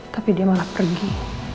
tapi dia malah pergi